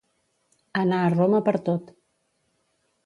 Anar a Roma per tot.